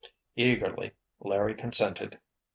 Eagerly Larry consented.